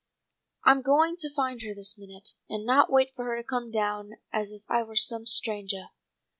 I'm going to find her this minute, and not wait for her to come down as if I were some strangah."